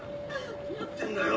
何やってんだよ。